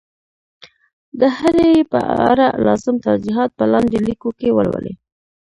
د هري ي په اړه لازم توضیحات په لاندي لیکو کي ولولئ